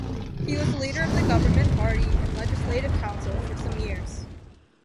He was leader of the Government Party in Legislative Council for some years.